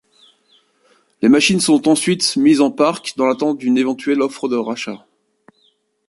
Les machines sont ensuite mises en parc dans l'attente d'une éventuelle offre de rachat.